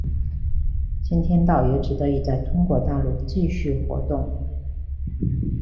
先天道由此得以在中国大陆继续活动。